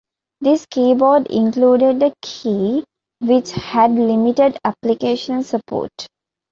This keyboard included a key which had limited application support.